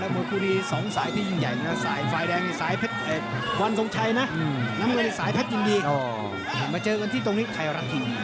ตอนนี้ใจดีแล้วเป็นรัวของชาติแล้วข้างหลังต้องใจดี